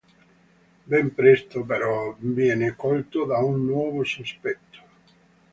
Ben presto, però, viene colto da un nuovo sospetto.